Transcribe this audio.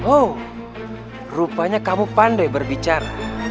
oh rupanya kamu pandai berbicara